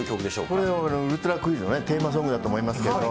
これはウルトラクイズのテーマソングだと思いますけど。